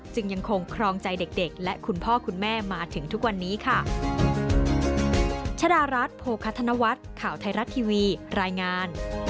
ยังคงครองใจเด็กและคุณพ่อคุณแม่มาถึงทุกวันนี้ค่ะ